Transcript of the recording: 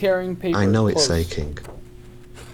I know it's aching.